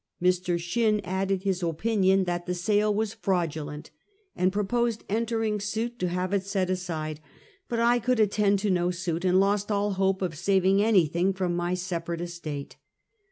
Mr. Shinn added his opinion that the sale was fraudulent, and proposed entering suit to have it set aside ; but I could attend to no suit and lost all hope of saving anything from my separate estate.